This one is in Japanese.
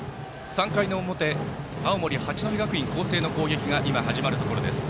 ３回の表青森・八戸学院光星の攻撃が始まりました。